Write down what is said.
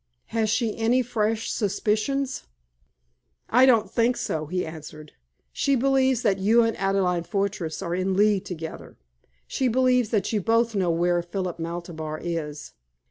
"Has she any fresh suspicions?" "I don't think so," he answered. "She believes that you and Adelaide Fortress are in league together. She believes that you both know where Philip Maltabar is.